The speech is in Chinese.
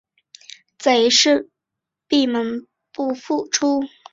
贼自是闭门不复出。